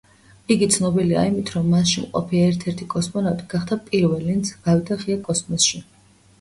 იგი ცნობილია იმით, რომ მასში მყოფი ერთ-ერთი კოსმონავტი გახდა პირველი, ვინც გავიდა ღია კოსმოსში.